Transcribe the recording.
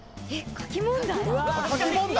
書き問題！？